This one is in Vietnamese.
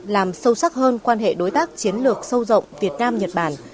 làm sâu sắc hơn quan hệ đối tác chiến lược sâu rộng việt nam nhật bản